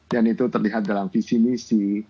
dan itu terlihat dalam visi misi